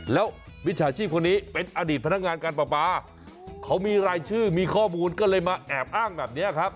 แล้วมิจฉาชีพคนนี้เป็นอดีตพนักงานการปลาปลาเขามีรายชื่อมีข้อมูลก็เลยมาแอบอ้างแบบนี้ครับ